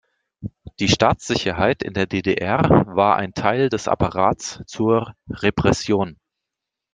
Die Staatssicherheit in der D-D-R war ein Teil des Apparats zur Repression.